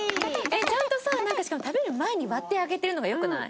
ちゃんとさなんかしかも食べる前に割ってあげてるのがよくない？